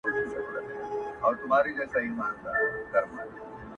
خر د خوني په مابین کي په نڅا سو٫